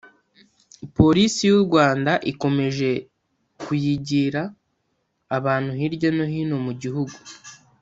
Polisi y’u Rwanda ikomeje kuyigira abantu hirya no hino mu gihugu